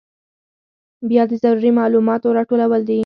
بیا د ضروري معلوماتو راټولول دي.